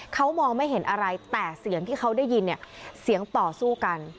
เขามองไม่เห็นอะไรแต่เสียงที่เขาได้ยินเนี่ยเสียงต่อสู้กัน